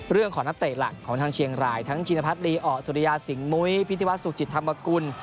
เรื่องของนักเตะหลักของทางเชียงรายทางจิณภัทรีอสุริยาสิงห์มุยพิธีวัตรสุขจิตธรรมกุล